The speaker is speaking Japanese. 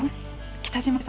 北島さん